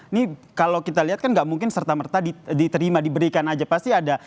ini kalau kita lihat kan nggak mungkin serta merta diterima diberikan aja pasti ada